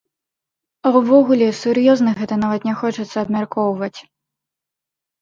А ўвогуле, сур'ёзна гэта нават не хочацца абмяркоўваць.